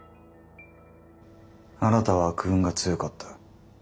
あなたは悪運が強かった。